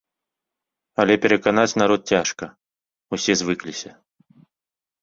Але пераканаць народ цяжка, усе звыкліся.